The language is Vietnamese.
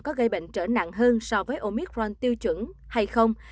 có gây bệnh trở nặng hơn so với omicron tiêu chuẩn hay không